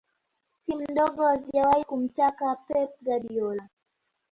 timu ndogo hazijawahi kumtaka pep guardiola